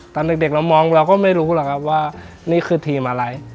ตอนเด็กเรามองเราก็ไม่รู้หรอกครับว่านี่คือทีมอะไร